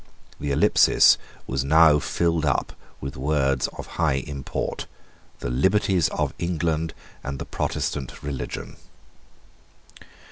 The ellipsis was now filled up with words of high import, "The liberties of England and the Protestant religion."